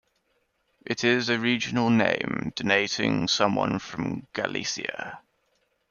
It is a regional name denoting someone from Galicia.